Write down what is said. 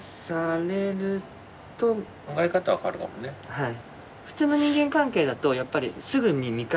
はい。